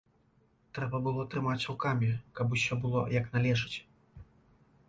Трэба было трымаць рукамі, каб усё было як належыць.